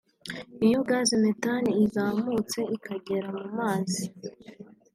Iyo Gaz Methane izamutse ikagera mu mazi